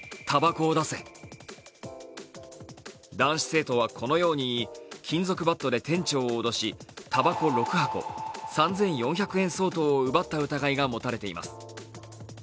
男子生徒はこのように言い金属バットで店長を脅したばこ６箱、３４００円相当を奪った疑いが持たれています。